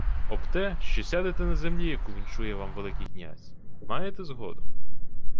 — Об те, що сядете на землі, яку віншує вам Великий князь. Маєте згоду?